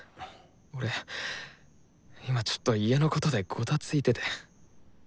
俺今ちょっと家のことでごたついてて。